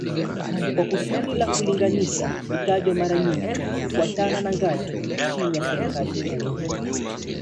Kwa kusudi la kulinganisha hutajwa mara nyingi kufuatana na ngazi chini ya serikali kuu